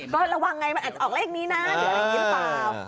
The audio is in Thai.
ก็ระวังไงออกเลขนี้นะเดี๋ยวอะไรกินเปล่า